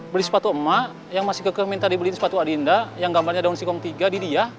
beli sepatu ema yang masih kekeh minta dibeliin sepatu adinda yang gambarnya daun singkong tiga di dia